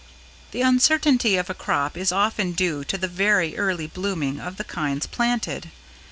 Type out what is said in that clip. ] The uncertainty of a crop is often due to the very early blooming of the kinds planted.